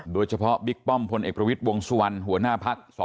โดยเฉพาะบิ๊กป้อมพลเอกประวิทวงสุวรรณหัวหน้าภักษ์